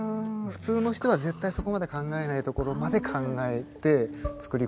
普通の人は絶対そこまで考えないところまで考えてつくり込む